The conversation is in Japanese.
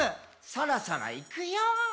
「そろそろいくよー」